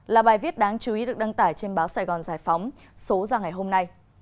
là bài viết đáng chú ý được đăng tải trên báo sài gòn giải phóng số ra ngày hôm nay